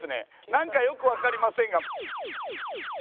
「なんかよくわかりませんが」